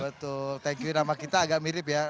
betul thank you nama kita agak mirip ya